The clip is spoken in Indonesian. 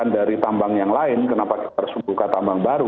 dari tambang yang lain kenapa kita harus membuka tambang baru